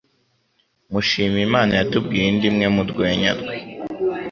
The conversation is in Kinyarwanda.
Mushimiyimana yatubwiye indi imwe mu rwenya rwe